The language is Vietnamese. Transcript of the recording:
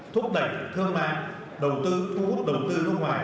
thúc đẩy thương mại đồng tư cung cúp đồng tư nước ngoài